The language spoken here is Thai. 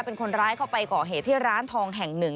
เป็นคนร้ายเข้าไปก่อเหตุที่ร้านทองแห่งหนึ่ง